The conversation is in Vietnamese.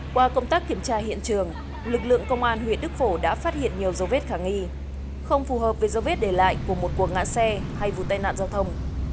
qua công tác kiểm tra hiện trường lực lượng công an huyện đức phổ đã phát hiện nhiều dấu vết khả nghi không phù hợp với dấu vết để lại của một cuộc ngã xe hay vụ tai nạn giao thông